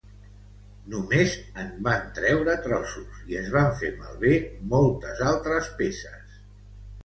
Només en van treure trossos i es van fer malbé moltes altres peces.